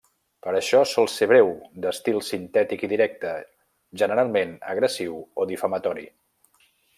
Per això sol ser breu, d'estil sintètic i directe, generalment agressiu o difamatori.